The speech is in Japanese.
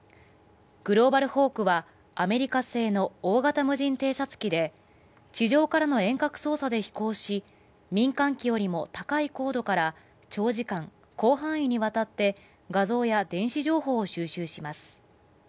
グローバルホークはアメリカ製の大型無人偵察機で地上からの遠隔操作で飛行し民間機よりも高い高度から長時間広範囲にわたって画像や電子情報を収集します。